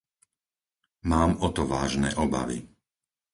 Mám o to vážne obavy.